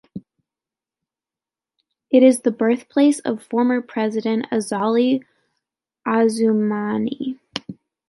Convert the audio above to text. It is the birthplace of former President Azali Assoumani.